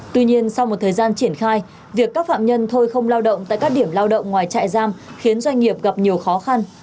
tuy nhiên sau một thời gian triển khai việc các phạm nhân thôi không lao động tại các điểm lao động ngoài trại giam khiến doanh nghiệp gặp nhiều khó khăn